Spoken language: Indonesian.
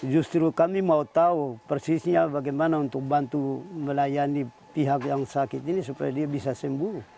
justru kami mau tahu persisnya bagaimana untuk bantu melayani pihak yang sakit ini supaya dia bisa sembuh